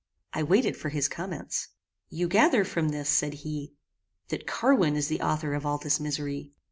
I waited for his comments. "You gather from this," said he, "that Carwin is the author of all this misery."